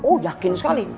oh yakin sekali